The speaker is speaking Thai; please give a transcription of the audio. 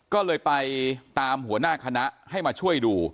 ก็เลยไปตามหัวหน้าคณะให้มาช่วยดู